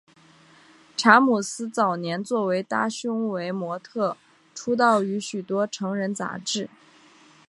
查姆斯早年作为大胸围模特出道于许多成人杂志。